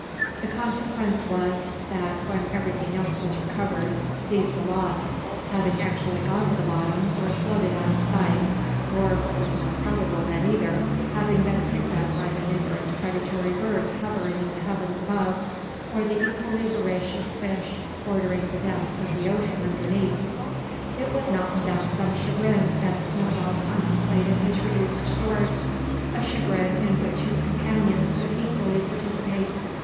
The consequence was, that, when everything else was recovered, these were lost, having actually gone to the bottom, or floated out of sight; or, what was more probable than either, having been picked up by the numerous predatory birds hovering in the heavens above, or the equally voracious fish quartering the depths of the ocean underneath. It was not without some chagrin that Snowball contemplated his reduced stores, a chagrin in which his companions could equally participate.